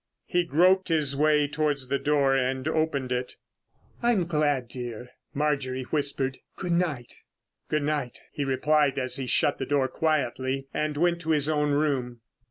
He groped his way towards the door and opened it. "I'm glad, dear," Marjorie whispered. "Good night." "Good night," he replied as he shut the door quietly and went to his own room.